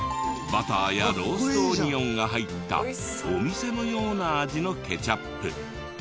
バターやローストオニオンが入ったお店のような味のケチャップ。